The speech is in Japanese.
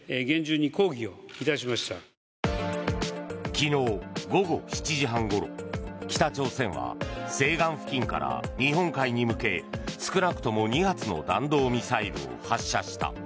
昨日午後７時半ごろ北朝鮮は西岸付近から日本海に向け、少なくとも２発の弾道ミサイルを発射した。